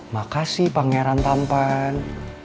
makasih pangeran tampan